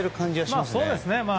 まあ、そうですね。